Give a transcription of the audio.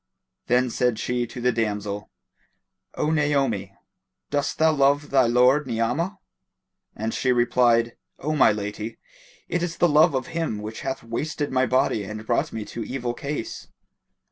Then said she to the damsel, "O Naomi, dost thou love thy lord Ni'amah?"; and she replied, "O my lady, it is the love of him which hath wasted my body and brought me to evil case."